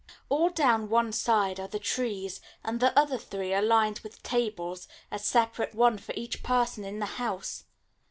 All down one side are the trees, and the other three sides are lined with tables, a separate one for each person in the house.